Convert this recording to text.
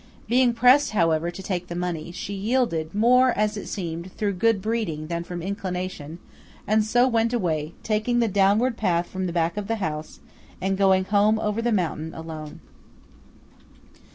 Being pressed, however, to take the money, she yielded, more, as it seemed, through good breeding than from inclination and so went away, taking the downward path from the back of the house, and going home over the mountain, alone.